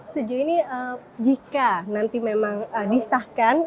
sejauh ini jika nanti memang disahkan